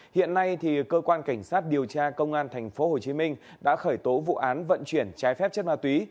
hiện nay cơ quan cảnh sát điều tra công an tp hcm đã khởi tố vụ án vận chuyển trái phép chất ma túy